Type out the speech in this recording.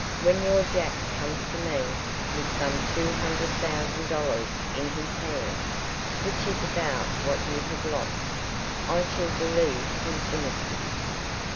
When your Jack comes to me, with some two hundred thousand dollars in his hands, which is about what you have lost, I shall believe him innocent."